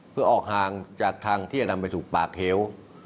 เพื่อออกห่างจากทางที่จะนำไปถูกปากเหว